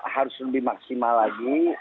harus lebih maksimal lagi